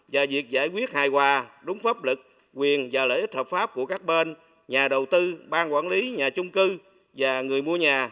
và việc giải quyết hài hòa đúng pháp lực quyền và lợi ích hợp pháp của các bên nhà đầu tư bang quản lý nhà chung cư và người mua nhà